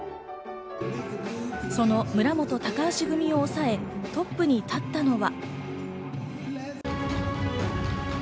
その村元・高橋組を抑え、トップに立ったのは。